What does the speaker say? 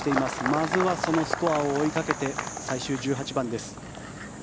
まずはそのスコアを追いかけて最終１８番です。